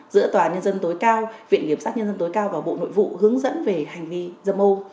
giữa tòa nhân dân tối cao viện kiểm sát nhân dân tối cao và bộ nội vụ hướng dẫn về hành vi dâm ô